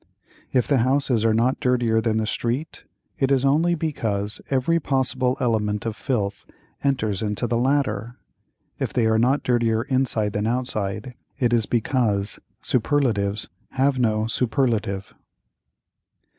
If the houses are not dirtier than the street, it is only because every possible element of filth enters into the latter; if they are not dirtier inside than outside, it is because superlatives have no superlative.